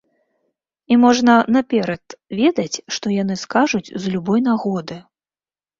І можна наперад ведаць, што яны скажуць з любой нагоды.